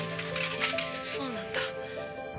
「そうなんだ」